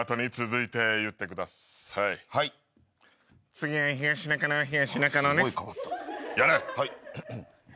次は東中野東中野です。